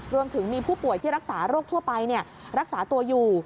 รวมถึงมีผู้ป่วยที่รักษาโรคทั่วไปรักษาตัวอยู่